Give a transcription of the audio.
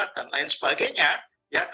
dan lain sebagainya